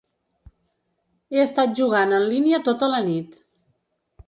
He estat jugant en línia tota la nit.